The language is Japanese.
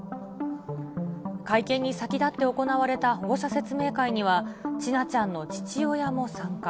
会見に先立って行われた保護者説明会には、千奈ちゃんの父親も参加。